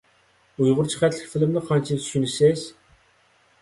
ئۇيغۇرچە خەتلىك فىلىمنى قانچىلىك چۈشىنىسىز؟